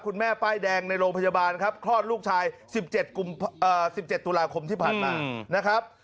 แม่ป้ายแดงในโรงพยาบาลครับคลอดลูกชาย๑๗ตุลาคมที่ผ่านมานะครับ